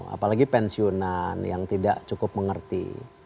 apalagi pensiunan yang tidak cukup mengerti